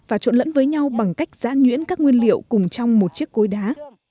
và trộn lẫn với nhau bằng cách giã nhuyễn các nguyên liệu cùng trong một chiếc cối đá